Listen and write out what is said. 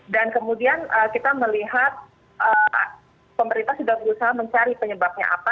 dan kemudian kita melihat pemerintah sudah berusaha mencari penyebabnya apa